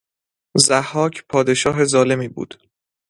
ضحاک پادشاه ظالمی بود